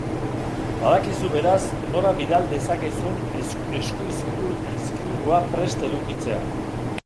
Badakizu beraz nora bidal dezakezun eskuizkribua prest edukitzean.